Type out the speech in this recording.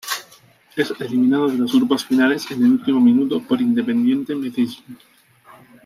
Es eliminado de los grupos finales en el último minuto por Independiente Medellín.